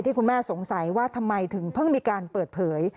คุณแม่สงสัยว่าทำไมถึงเพิ่งมีการเปิดเผย